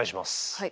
はい。